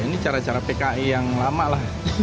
ini cara cara pki yang lama lah